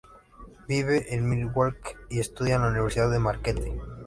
Vive en Milwaukee y estudia en la Universidad de Marquette.